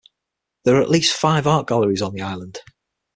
There are at least five art galleries on the island.